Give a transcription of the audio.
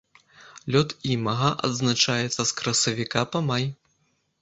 Лёт імага адзначаецца з красавіка па май.